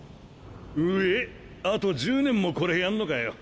うえっあと１０年もこれやんのかよ。